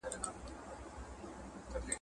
هيڅکله د باطل او ظلم ملاتړ مه کوه.